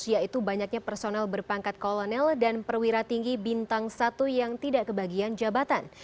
yaitu banyaknya personel berpangkat kolonel dan perwira tinggi bintang satu yang tidak kebagian jabatan